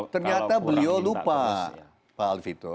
ternyata beliau lupa pak alfito